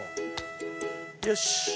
よし。